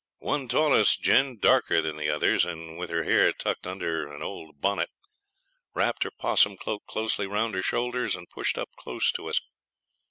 One tallish gin, darker than the others, and with her hair tucked under an old bonnet, wrapped her 'possum cloak closely round her shoulders and pushed up close to us.